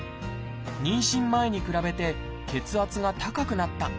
妊娠前に比べて血圧が高くなった。